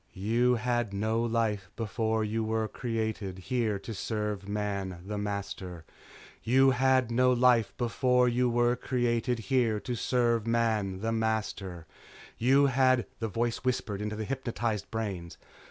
" you had no life before you where created here to serve Man the master you had no life before you were created here to serve Man the master you had " the voice whispered into the hypnotized brains.